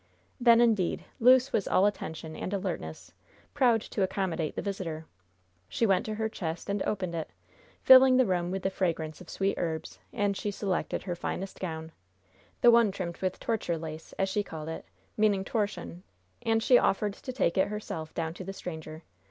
Then, indeed, Luce was all attention and alertness, proud to accommodate the visitor. She went to her chest and opened it, filling the room with the fragrance of sweet herbs, and she selected her finest gown, "the one trimmed with torture lace," as she called it, meaning torchon, and she offered to take it herself down to the stranger.